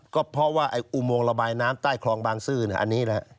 ก็เพราะว่าอุโมงระบายน้ำใต้คลองบางซื่ออันนี้แหละ